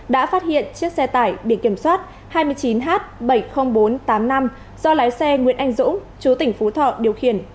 đã phát hiện chiếc xe tải biển kiểm soát hai mươi chín h bảy mươi nghìn bốn trăm tám mươi năm do lái xe nguyễn anh dũng chú tỉnh phú thọ điều khiển